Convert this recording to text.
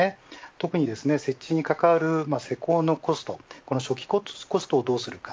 特に設置に関わる施工のコスト初期コストをどうするか。